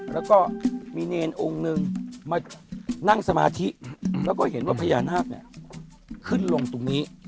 แล้วก็มีเนรองค์นึงมานั่งสมาธิแล้วก็เห็นว่าพญานาคเนี่ยขึ้นลงตรงนี้